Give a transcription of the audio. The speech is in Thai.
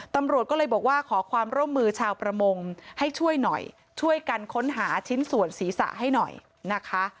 ตำรวจก็เลยบอกว่าขอความร่วมมือชาวประมงให้ช่วยหน่อยช่วยกันค้นหาชิ้นส่วนศีรษะให้หน่อยนะคะ